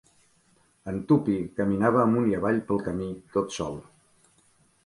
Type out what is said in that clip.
En Tuppy caminava amunt i avall pel camí, tot sol.